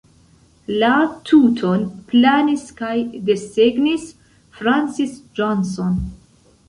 La tuton planis kaj desegnis Francis Johnson.